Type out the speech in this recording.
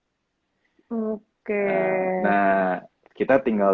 nah kita tinggal